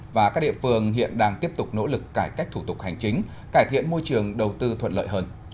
và các địa phương hiện đang tiếp tục nỗ lực cải cách thủ tục hành chính cải thiện môi trường đầu tư thuận lợi hơn